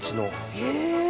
へえ！